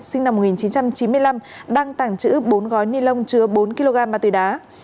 sinh năm một nghìn chín trăm chín mươi năm đăng tảng chữ bốn gói ni lông chứa bốn kg ma túy đá